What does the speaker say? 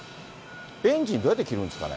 エンジン、どうやって切るんですかね？